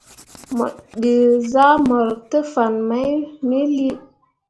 Mo dǝ zahmor te fan mai me lii.